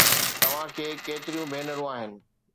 توهان کي ڪيتريون ڀينرون آهن؟